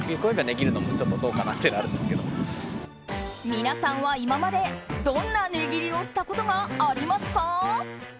皆さんは今までどんな値切りをしたことがありますか？